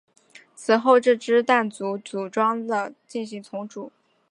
此后这支掸族武装进行了重组。